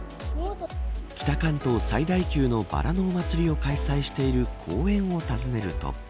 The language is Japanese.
北関東最大級のばらのお祭りを開催している公園を訪ねると。